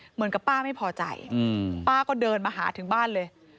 เหมือนกับป้าไม่พอใจป้าก็เดินมาหาถึงบ้านเลย